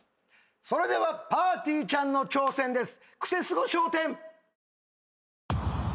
それではぱーてぃーちゃんの挑戦です。